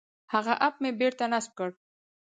هغه اپ مې بېرته نصب کړ.